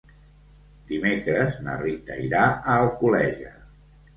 Dimecres na Rita irà a Alcoleja.